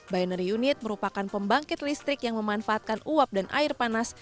binary unit merupakan pembangkit listrik yang memanfaatkan uap dan air panas